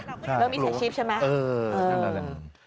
เริ่มมีสัญชีพใช่ไหมเออนั่นแหละ